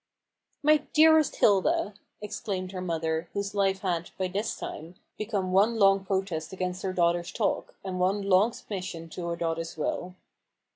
" My dearest Hilda !" exclaimed her mother, whose life had, by this time, become one long protest against her daughter's talk, and one long submission to her daughter's will.